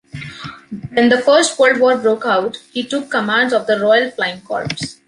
When the First World War broke out, he took command of the Royal Flying Corps.